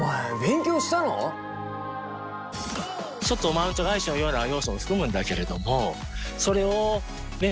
ちょっとマウント返しのような要素も含むんだけれどもそれをね